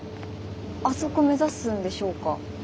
あそこ目指すんでしょうか？